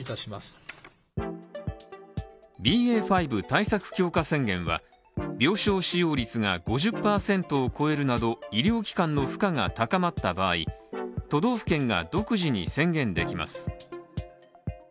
ＢＡ．５対策強化宣言は病床使用率が５０％を超えるなど医療機関の負荷が高まった場合、都道府県が独自に宣言できます。